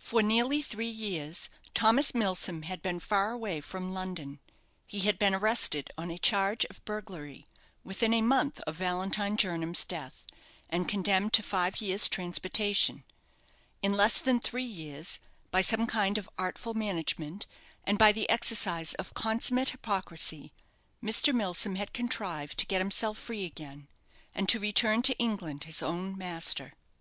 For nearly three years Thomas Milsom had been far away from London. He had been arrested on a charge of burglary, within a month of Valentine Jernam's death, and condemned to five years' transportation. In less than three years, by some kind of artful management, and by the exercise of consummate hypocrisy, Mr. Milsom had contrived to get himself free again, and to return to England his own master.